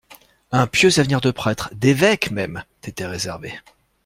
Un pieux avenir de prêtre, d'évêque même t'était réservé.